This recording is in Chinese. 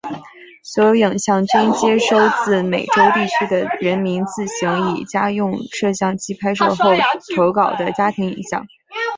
所有影像均接收自美洲地区的人民自行以家用摄影机拍摄后投稿的家庭影像。